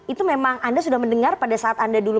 itu memang anda sudah mendengar pada saat anda dulu